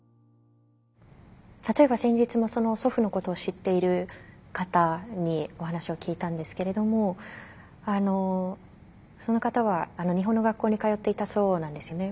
例えば先日も祖父のことを知っている方にお話を聞いたんですけれどもその方は日本の学校に通っていたそうなんですよね。